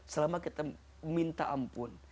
selama kita minta ampun